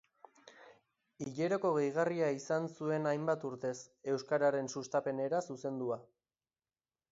Hileroko gehigarria izan zuen hainbat urtez, euskararen sustapenera zuzendua.